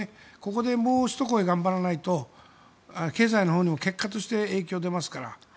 ここでもうひと声、頑張らないと経済のほうにも結果として影響が出ますから。